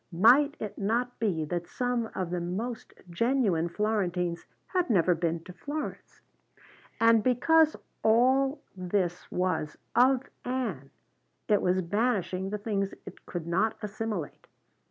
Might it not be that some of the most genuine Florentines had never been to Florence? And because all this was of Ann, it was banishing the things it could not assimilate.